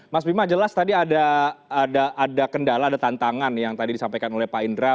mas bima jelas tadi ada kendala ada tantangan yang tadi disampaikan oleh pak indra